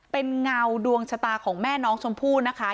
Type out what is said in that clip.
เป็นเงาดวงชะตาของแม่น้องชมพู่นะคะ